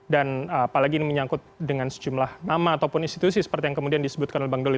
dan apalagi ini menyangkut dengan sejumlah nama ataupun institusi seperti yang kemudian disebutkan oleh bang doli